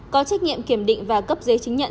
có trách nhiệm kiểm định và cấp giấy chứng nhận